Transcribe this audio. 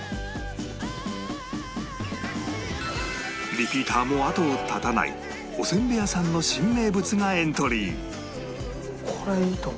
リピーターも後を絶たないおせんべい屋さんの新名物がエントリー